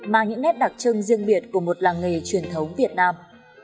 mang những nét đặc trưng riêng biệt của một làng nghề truyền thống việt nam